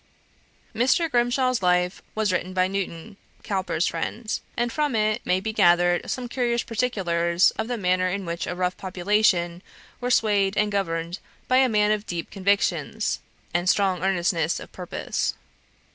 Mr. Grimshaw's life was written by Newton, Cowper's friend; and from it may be gathered some curious particulars of the manner in which a rough population were swayed and governed by a man of deep convictions, and strong earnestness of purpose.